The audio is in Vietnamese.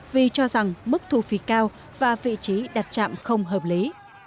vì cho rằng mức thu phí cao và vị trí đặt chạm không hợp lý